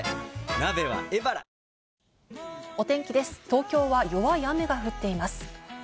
東京は弱い雨が降っています。